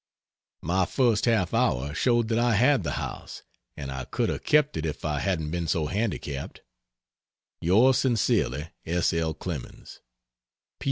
My first half hour showed that I had the house, and I could have kept it if I hadn't been so handicapped. Yours sincerely, S. L. CLEMENS.